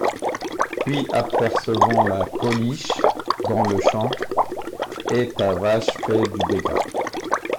Puis, apercevant la Coliche, dans le champ: — Eh! ta vache fait du dégât.